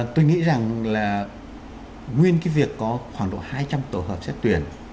tôi nghĩ rằng là nguyên cái việc có khoảng độ hai trăm linh tổ hợp xét tuyển